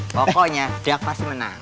pokoknya diak pasti menang